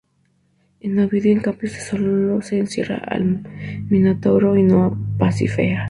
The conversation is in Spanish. En Ovidio, en cambio, sólo se encierra al Minotauro y no a Pasífae.